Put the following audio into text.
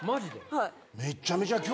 はい。